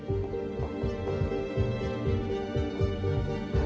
ああ。